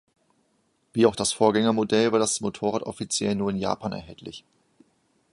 Wie auch das Vorgängermodell war das Motorrad offiziell nur in Japan erhältlich.